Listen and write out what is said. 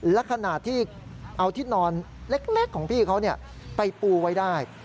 และขณะที่เอาที่นอนเล็กของพี่เขาไปปูไว้ได้